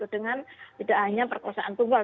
dengan tidak hanya perkosaan tunggal